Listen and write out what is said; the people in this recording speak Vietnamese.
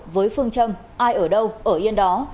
với phương châm ai ở đâu ở yên đó